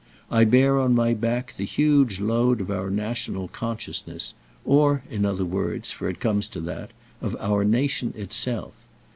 I bear on my back the huge load of our national consciousness, or, in other words—for it comes to that—of our nation itself.